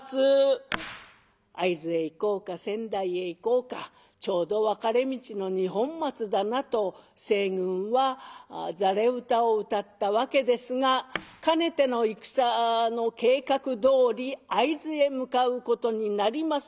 会津へ行こうか仙台へ行こうかちょうど分かれ道の二本松だなと西軍は戯れ歌を歌ったわけですが兼ねての戦の計画どおり会津へ向かうことになります。